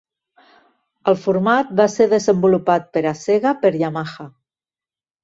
El format va ser desenvolupat per a Sega per Yamaha.